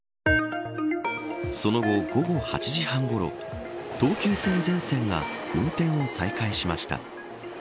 その後、午後８時半ごろ東急線全線が運転を再開しました。